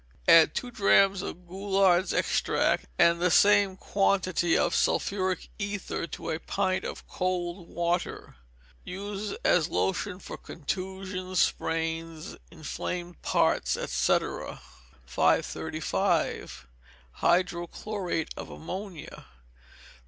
Add two drachms of Goulard's extract, and the same quantity of sulphuric ether to a pint of cold water. Use as lotion for contusions, sprains, inflamed parts, &c. 535. Hydrochlorate of Ammonia.